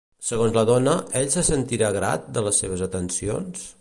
Segons la dona, ell se sentirà grat de les seves atencions?